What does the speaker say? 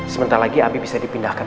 sementara lagi abi bisa dipindahkan